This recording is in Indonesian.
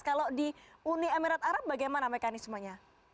kalau di uni emirat arab bagaimana mekanismenya